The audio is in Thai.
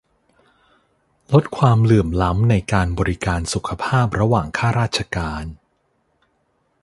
ลดความเหลื่อมล้ำในการบริการสุขภาพระหว่างข้าราชการ